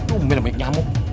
tumel banyak nyamuk